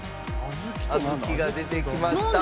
小豆が出てきました。